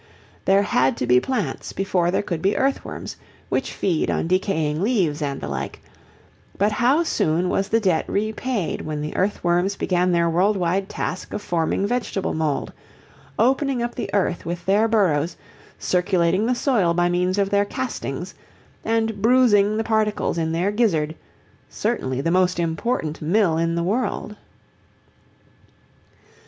There had to be plants before there could be earthworms, which feed on decaying leaves and the like, but how soon was the debt repaid when the earthworms began their worldwide task of forming vegetable mould, opening up the earth with their burrows, circulating the soil by means of their castings, and bruising the particles in their gizzard certainly the most important mill in the world.